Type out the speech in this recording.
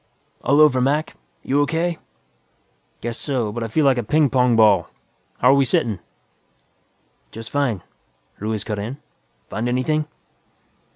"All over, Mac. You O.K.?" "Guess so, but I feel like a ping pong ball. How're we sittin'?" "Just fine," Ruiz cut in. "Find anything?"